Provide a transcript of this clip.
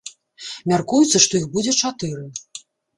Мяркуецца, што іх будзе чатыры.